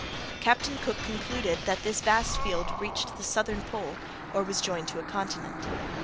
Captain Cook concluded that this vast field reached the southern pole or was joined to a continent.